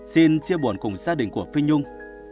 xin chia buồn cùng gia đình của phi nhung